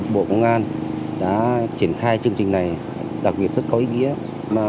bộ công an đã triển khai chương trình này đặc biệt rất có ý nghĩa